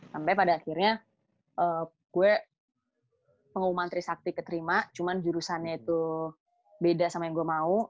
sampai pada akhirnya gue pengumuman trisakti keterima cuma jurusannya itu beda sama yang gue mau